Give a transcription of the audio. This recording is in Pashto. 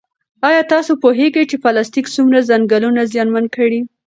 ایا تاسو پوهېږئ چې پلاستیک څومره ځنګلونه زیانمن کړي؟